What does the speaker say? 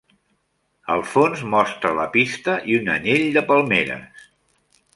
El fons mostra la pista i un anyell de palmeres.